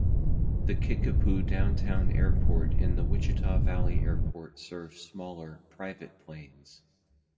The Kickapoo Downtown Airport and the Wichita Valley Airport serve smaller, private planes.